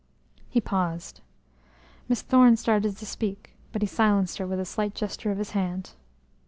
He paused. Miss Thorne started to speak, but he silenced her with a slight gesture of his hand.